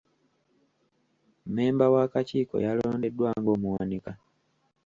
Mmemba w'akakiiko yalondeddwa ng'omuwanika.